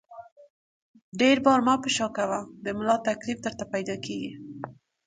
ډېر بار مه په شا کوه ، د ملا تکلیف درته پیدا کېږي!